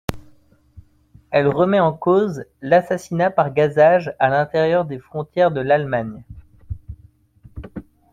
Elle remet en cause l'assassinat par gazage à l'intérieur des frontières de l'Allemagne.